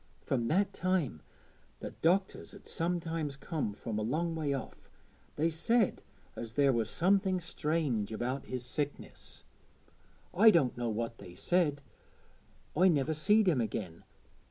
From that time the doctors 'ud sometimes come from a long way off; they said as there was somethin' strange about his sickness. I doänt know what they said, I niver seed him again.